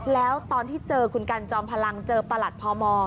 แล้วตอนที่เจอคุณกันจอมพลังเจอประหลัดพม